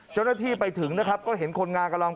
เจ้าหน้าที่ไปถึงนะครับก็เห็นคนงานกำลัง